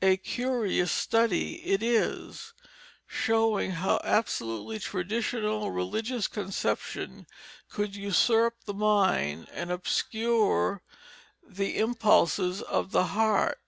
A curious study it is, showing how absolutely traditional religious conception could usurp the mind and obscure the impulses of the heart.